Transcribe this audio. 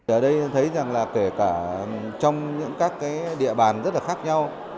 ở đây thấy rằng là kể cả trong những các cái địa bàn rất là khác nhau